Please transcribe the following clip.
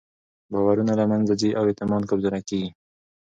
باورونه له منځه ځي او اعتماد کمزوری کېږي.